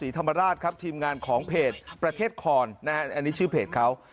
ทีมงานของเพจประเทศขอนนะฮะอันนี้ชื่อเพจเขา